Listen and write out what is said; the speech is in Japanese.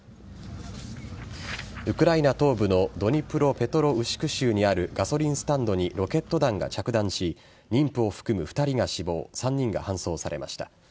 ウクライナ東部のドニプロペトロウシク州にあるガソリンスタンドにロケット弾が着弾し妊婦を含む２人が死亡３人が搬送されました。